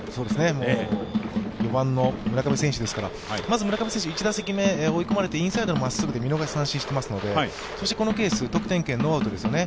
４番の村上選手ですから、まず村上選手、１打席目、インサイドのまっすぐで見逃し三振していますので、このケース、得点圏ノーアウトですよね。